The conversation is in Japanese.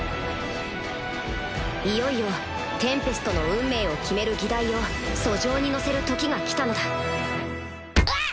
いよいよテンペストの運命を決める議題を俎上に載せる時が来たのだ・うわっ！